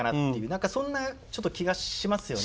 何かそんなちょっと気がしますよね。